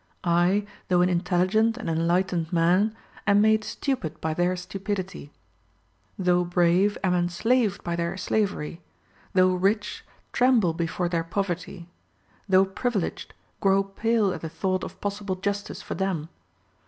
I, though an intelligent and enlightened man, am made stupid by their stupidity; though brave, am enslaved by their slavery; though rich, tremble before their poverty; though privileged, grow pale at the thought of possible justice for them.